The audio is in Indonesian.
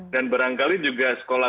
dan berangkali juga